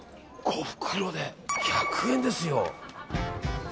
５袋で１００円ですよ。